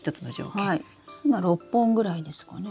今６本ぐらいですかね？